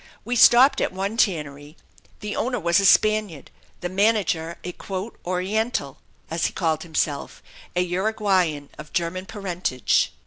We stopped at one tannery. The owner was a Spaniard, the manager an "Oriental," as he called himself, a Uruguayan, of German parentage.